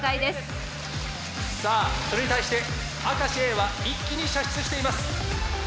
さあそれに対して明石Ａは一気に射出しています。